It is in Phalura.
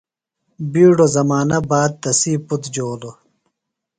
بِیڈو زمانہ باد تسی پُتر جولوۡ۔